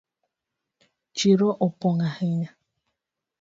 Chiro opong ahinya